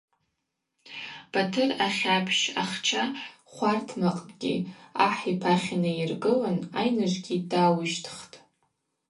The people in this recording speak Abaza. Батыр ахьапщ ахча хвартмакъкӏгьи ахӏ йпахь йнайыргылын айныжвгьи дауищтхтӏ.